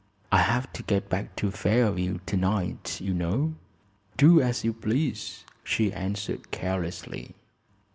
I have to get back to Fairview tonight, you know." "Do as you please," she answered carelessly.